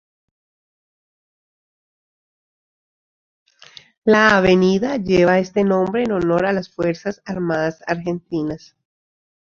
La avenida lleva este nombre en honor las Fuerzas Armadas argentinas.